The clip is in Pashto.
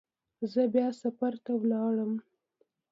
زه بیا سفر ته لاړم.